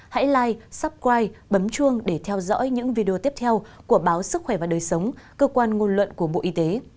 hãy like subscribe bấm chuông để theo dõi những video tiếp theo của báo sức khỏe và đời sống cơ quan nguồn luận của bộ y tế